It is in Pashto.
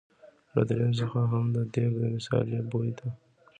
له دريم څخه هم د دېګ د مثالې بوی ته.